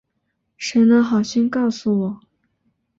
谁能好心告诉我